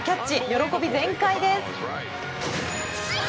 喜び全開です。